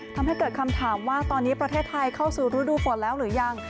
ทำให้เกิดคำถามว่าตอนนี้ประเทศไทยเข้าสู่ฤดูฝนแล้วหรือยัง